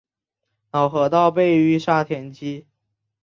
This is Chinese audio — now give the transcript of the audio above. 老河道被淤沙填积。